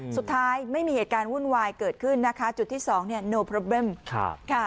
ไม่มีเหตุการณ์วุ่นวายเกิดขึ้นนะคะจุดที่สองเนี่ยโนพรเบม